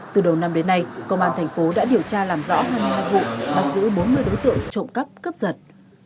từ đầu năm đến nay công an thành phố đã điều tra làm rõ hai mươi hai vụ bắt giữ bốn mươi đối tượng trộm cắp cướp giật